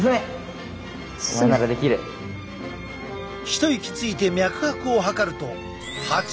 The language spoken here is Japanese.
一息ついて脈拍を測ると８２。